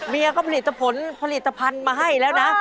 เมียก็ผลิตผลผลิตภัณฑ์มาให้แล้วนะ